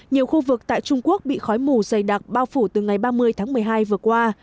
nhiều khu vực tại trung quốc bị khói mù dày đặc bao phủ từ ngày ba mươi tháng một mươi hai vừa qua